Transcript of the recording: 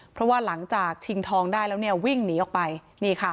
เพราะว่าหลังจากชิงทองได้แล้วเนี่ยวิ่งหนีออกไปนี่ค่ะ